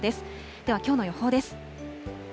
ではきょうの予報です。